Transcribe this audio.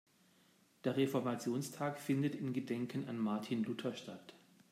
Der Reformationstag findet in Gedenken an Martin Luther statt.